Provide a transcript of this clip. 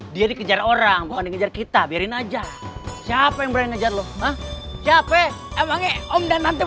dia dikejar orang orang kita biarin aja siapa yang berani aja loh siapa emangnya om dan nanti